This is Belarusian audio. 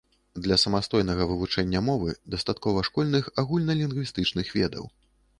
Для самастойнага вывучэння мовы дастаткова школьных агульналінгвістычных ведаў.